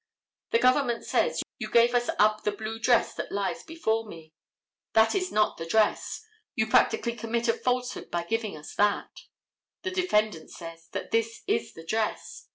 The government says: "You gave us up the blue dress that lies before me. That is not the dress. You practically commit a falsehood by giving us that." The defendant says that this is the dress.